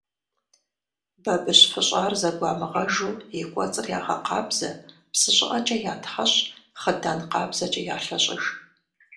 Бабыщ фыщӏар зэгуамыгъэжу и кӏуэцӏыр ягъэкъабзэ, псы щӀыӀэкӀэ ятхьэщӀ, хъыдан къабзэкӀэ ялъэщӀыж.